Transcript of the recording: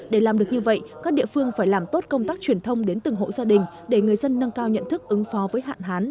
để làm được như vậy các địa phương phải làm tốt công tác truyền thông đến từng hộ gia đình để người dân nâng cao nhận thức ứng phó với hạn hán